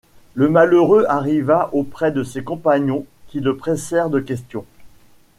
Le malheureux arriva auprès de ses compagnons, qui le pressèrent de questions.